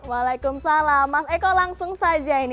waalaikumsalam mas eko langsung saja ini